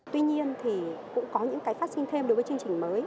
tuy nhiên thì cũng có những cái phát sinh thêm đối với chương trình mới